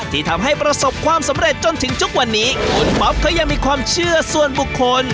ที่ทำให้ประสบความสำเร็จจนถึงทุกวันนี้คุณป๊อปเขายังมีความเชื่อส่วนบุคคล